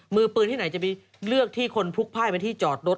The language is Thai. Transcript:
มือปืนที่ไหนจะไปเลือกที่คนพลุกพ่ายไปที่จอดรถ